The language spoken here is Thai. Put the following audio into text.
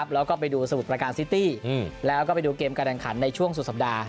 แล้วก็ไปดูสมุทรประการซิตี้แล้วก็ไปดูเกมการแข่งขันในช่วงสุดสัปดาห